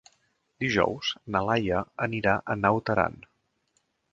Dijous na Laia anirà a Naut Aran.